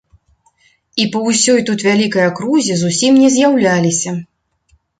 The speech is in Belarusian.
І па ўсёй тут вялікай акрузе зусім не з'яўляліся.